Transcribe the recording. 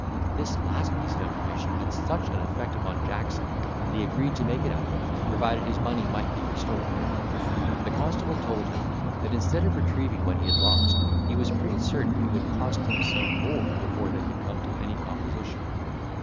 This last piece of information had such an effect upon Jackson, that he agreed to make it up, provided his money might be restored. The constable told him, that, instead of retrieving what he had lost, he was pretty certain it would cost him some more before they could come to any composition.